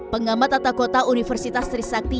pengamat tata kota universitas trisakti